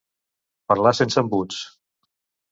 Parlar sense embuts.